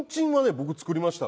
僕作りました。